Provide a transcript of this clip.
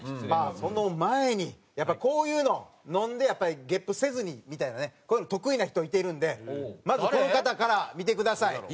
まあその前にやっぱりこういうの飲んでゲップせずにみたいなねこういうの得意な人いてるんでまずこの方から見てください。